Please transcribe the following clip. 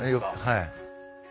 はい。